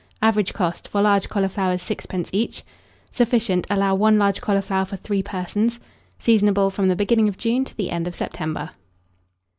Average cost, for large cauliflowers, 6d. each. Sufficient. Allow 1 large cauliflower for 3 persons. Seasonable from the beginning of June to the end of September.